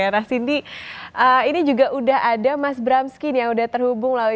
rasindi ini juga udah ada mas bramski yang udah terhubung